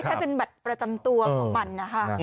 ให้เป็นบัตรประจำตัวของมันนะคะ